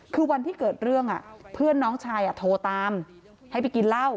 คือวันที่เกิดเรื่องเพื่อนน้องชายโทรตามให้ไปกินเหล้า